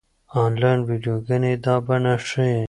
انلاين ويډيوګانې دا بڼه ښيي.